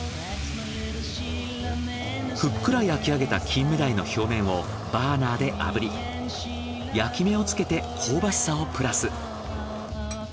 ふっくら焼き上げたキンメダイの表面をバーナーで炙り焼き目をつけて香ばしさをプラス。